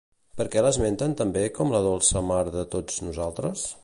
Per què l'esmenten també com la dolça Mare de tots nosaltres?